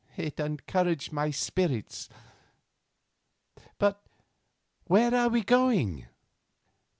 It encouraged my spirits. But where are we going?"